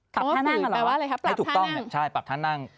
ปรับท่านั่งหรอไม่ถูกต้องใช่ปรับท่านั่ง